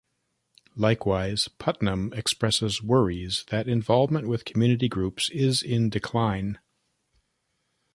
Likewise, Putnam expresses worries that involvement with "community groups" is in decline.